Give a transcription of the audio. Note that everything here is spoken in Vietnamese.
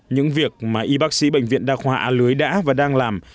những việc mà y bác sĩ bệnh viện đa khoa a lưới đã và đang làm